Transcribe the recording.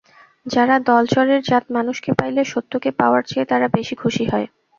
যারা দলচরের জাত মানুষকে পাইলে সত্যকে পাওয়ার চেয়ে তারা বেশি খুশি হয়।